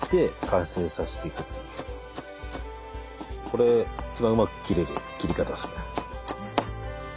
これ一番うまく切れる切り方ですね。